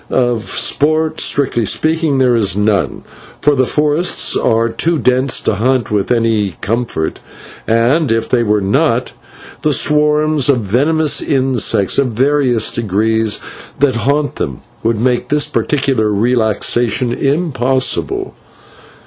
Of sport, strictly speaking, there is none, for the forests are too dense to hunt in with any comfort, and, if they were not, the swarms of venomous insects of various degree, that haunt them, would make this particular relaxation impossible.